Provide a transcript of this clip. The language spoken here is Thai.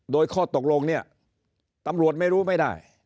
โดยข้อตกลงเนี่ยตำรวจไม่รู้ไม่ได้